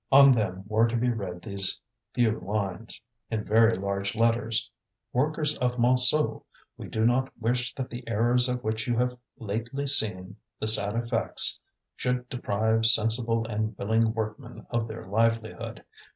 On them were to be read these few lines, in very large letters: "Workers of Montsou! We do not wish that the errors of which you have lately seen the sad effects should deprive sensible and willing workmen of their livelihood.